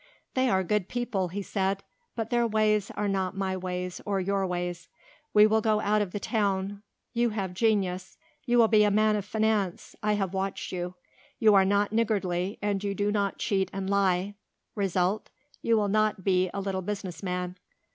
"They are good people," he said, "but their ways are not my ways or your ways. You will go out of the town. You have genius. You will be a man of finance. I have watched you. You are not niggardly and you do not cheat and lie result you will not be a little business man.